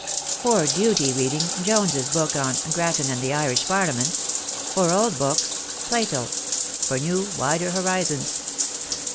"For duty reading Jones' book on 'Grattan and the Irish Parliament;' for old books 'Plato;' for new 'Wider Horizons.'